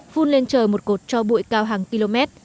phun lên trời một cột cho bụi cao hàng km